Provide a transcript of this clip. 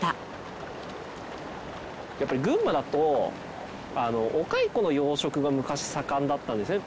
やっぱり群馬だとお蚕の養殖が昔盛んだったんですね。